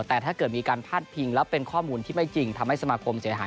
แต่ถ้าเกิดมีการพาดพิงแล้วเป็นข้อมูลที่ไม่จริงทำให้สมาคมเสียหาย